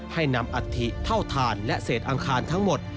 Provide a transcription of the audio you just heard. ให้นำอัฐิเท่าฐานและเศษอังคารทั้งหมด